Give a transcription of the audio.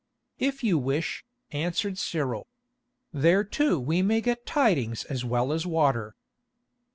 "If you wish," answered Cyril. "There too we may get tidings as well as water."